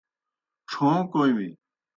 ڇھوں کوْمیْ۔